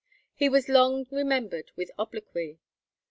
He was long remembered with obloquy.